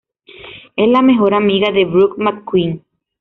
Es la mejor amiga de Brooke McQueen.